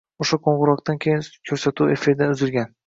O‘sha qo‘ng‘iroqdan keyin ko‘rsatuv efirdan uzilgan